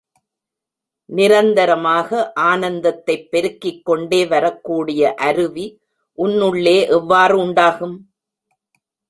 நிரந்தரமாக ஆனந்தத்தைப் பெருக்கிக்கொண்டே வரக்கூடிய அருவி உன்னுள்ளே எவ்வாறு உண்டாகும்?